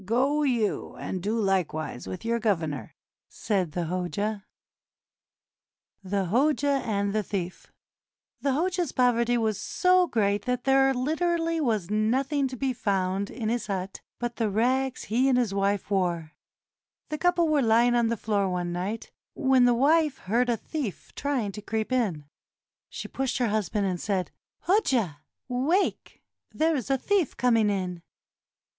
" Go you and do like wise with your governor," said the Hoja. 553 TURKEY THE HOJA AND THE THIEF The Hoja's poverty was so great that there literally was nothing to be found in his hut but the rags he and his wife wore. The couple were lying on the floor one night when the wife heard a thief trying to creep in. She pushed her husband and said, "Hoja, wake; there is a thief coming in."